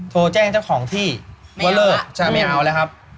โทรแจ้งเจ้าของที่ว่าเลิกใช่ไม่เอาแล้วครับ